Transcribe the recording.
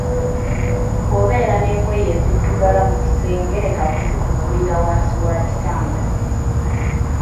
Bw‘obeera n‘engoye eziddugala mu kisenge leka kuzikukulira wansi wa kitanda.